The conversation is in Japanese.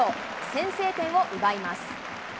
先制点を奪います。